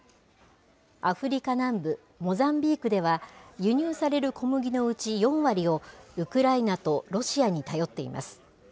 アフリカ南部、モザンビークでは、輸入される小麦のうち４割を、ウクライナとロシアに頼っています。